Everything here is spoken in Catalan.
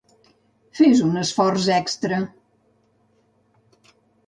Fes un esforç extra.